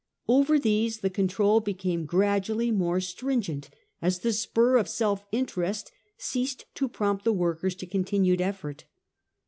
Over these the control became gradually more strin gent as the spur of self interest ceased to prompt the workers to continued effort.